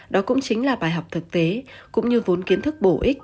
đó cũng chính là bài học thực tế cũng như vốn kiến thức bổ ích